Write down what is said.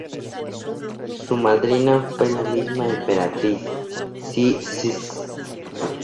Su madrina fue la misma emperatriz Sissi.